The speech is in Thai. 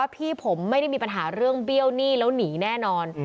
พี่ผมไม่ได้มีปัญหาเรื่องเบี้ยวหนี้แล้วหนีแน่นอน